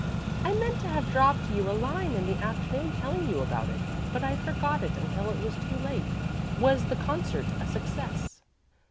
I meant to have dropped you a line in the afternoon telling you about it, but I forgot it until it was too late. Was the concert a success?"